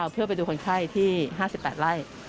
เพื่อไปดูคนไข้ที่๕๘ไร่